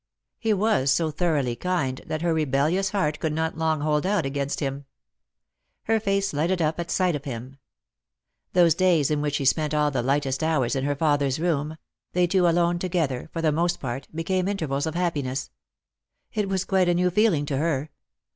He was so thoroughly kind that her rebellious heart could not long hold out against him. Her face lighted up at sight of him. Those days in which he spent all the lightest hours in her father's room — they two alone together for the most part — became intervals of happiness. It was quite a new feeling to her.